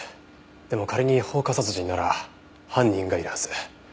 でも仮に放火殺人なら犯人がいるはず。